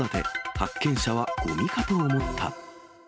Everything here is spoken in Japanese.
発見者は、ごみかと思った。